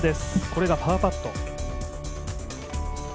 これがパーパット。